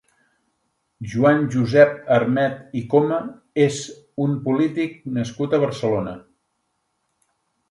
Joan Josep Armet i Coma és un polític nascut a Barcelona.